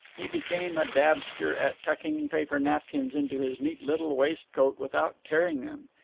He became a dabster at tucking paper napkins into his neat little waistcoat without tearing them.